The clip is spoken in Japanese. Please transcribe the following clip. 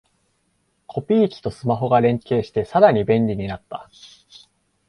コピー機とスマホが連携してさらに便利になった